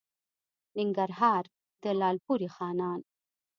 ننګرهار؛ د لالپورې خانان